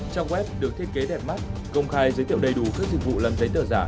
trang web được thiết kế đẹp mắt công khai giới thiệu đầy đủ các dịch vụ làm giấy tờ giả